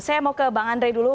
saya mau ke bang andre dulu